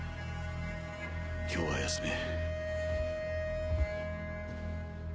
今日は休め。